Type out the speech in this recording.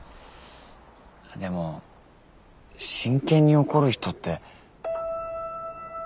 でも真剣に怒る人って。